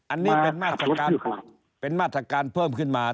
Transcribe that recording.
อันนี้เป็นมาตรการเพิ่มขึ้นมา